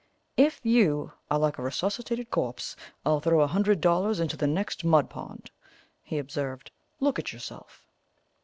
"If YOU are like a resuscitated corpse, I'll throw a hundred dollars into the next mud pond," he observed. "Look at yourself."